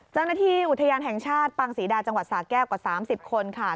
เจ้าหน้าที่อุทยานแห่งชาติปังศรีดาจังหวัดสาแก้วกว่า๓๐คนค่ะ